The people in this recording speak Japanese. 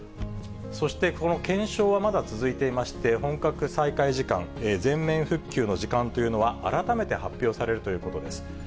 そして、この検証はまだ続いていまして、本格再開時間、全面復旧の時間というのは、改めて発表されるということです。